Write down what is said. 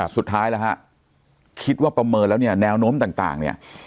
สุดท้ายล่ะฮะคิดว่าประเมินแล้วแนวโน้มต่าง